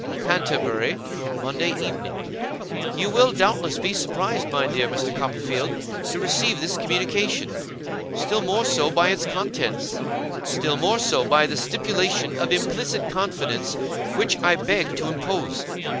'CANTERBURY, Monday Evening. 'You will doubtless be surprised, my dear Mr. Copperfield, to receive this communication. Still more so, by its contents. Still more so, by the stipulation of implicit confidence which I beg to impose.